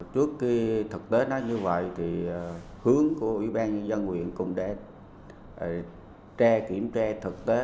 trước khi thực tế nó như vậy thì hướng của ủy ban nhân huyện cũng để tre kiểm tre thực tế